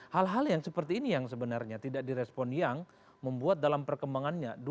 hal hal yang seperti ini yang sebenarnya tidak direspon yang membuat dalam perkembangannya